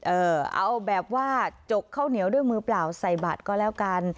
เอาแบบว่าจกข้าวเหนียวด้วยมือเปล่าใส่บัตรก็แล้วกัน